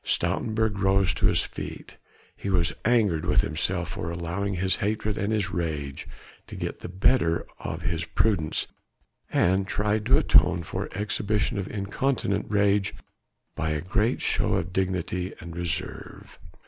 Stoutenburg rose to his feet. He was angered with himself for allowing his hatred and his rage to get the better of his prudence, and tried to atone for his exhibition of incontinent rage by a great show of dignity and of reserve.